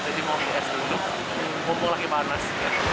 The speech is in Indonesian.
jadi mau ke es dulu mumpung lagi panas